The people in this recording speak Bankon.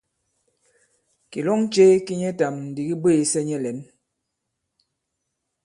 Kìlɔŋ ce ki nyɛtām ndi ki bwêsɛ nyɛ lɛ̌n.